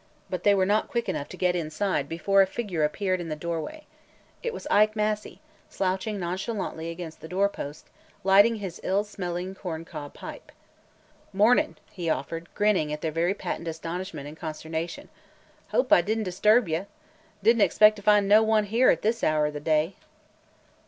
But they were not quick enough to get inside before a figure appeared in the doorway. It was Ike Massey, slouching nonchalantly against the doorpost, lighting his ill smelling corn cob pipe. "Mornin'!" he offered, grinning at their very patent astonishment and consternation. "Hope I did n't disturb you! Did n't expect to find no one here this hour of the day."